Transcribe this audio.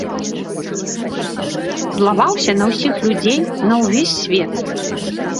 Злаваўся на ўсіх людзей, на ўвесь свет.